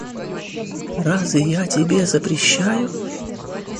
Разве я тебе запрещаю?